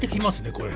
これ。